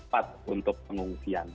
part untuk pengungsian